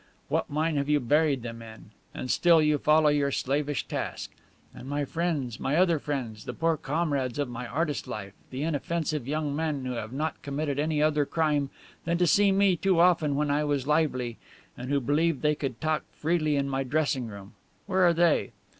What mine have you buried them in? And still you follow your slavish task. And my friends, my other friends, the poor comrades of my artist life, the inoffensive young men who have not committed any other crime than to come to see me too often when I was lively, and who believed they could talk freely in my dressing room where are they?